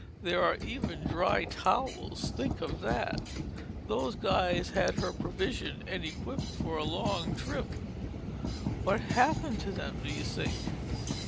There are even dry towels, think of that! Those guys had her provisioned and equipped for a long trip." "What's happened to them, do you think?"